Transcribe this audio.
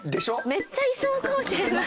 めっちゃいそうかもしれない。